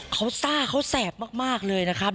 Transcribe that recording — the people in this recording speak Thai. เขาซ่าเขาแสบมากเลยนะครับ